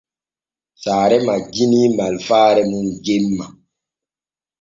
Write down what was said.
Saare majjinii malfaare mum jemma.